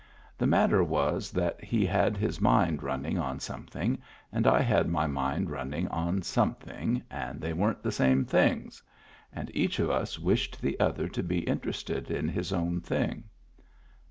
The matter was that he had his mind running on something and I had my mind running on some thing — and they weren't the same things; and each of us wished the other to be interested in his own thing.